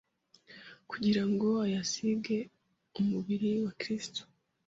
" kugira ngo ayasige umubiri wa Kristo.